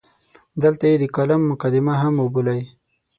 دلته یې د کالم مقدمه هم وبولئ.